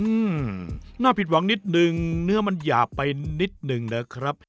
อืมน่าผิดหวังนิดนึงเนื้อมันหยาบไปนิดหนึ่งนะครับ